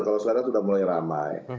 kalau sekarang sudah mulai ramai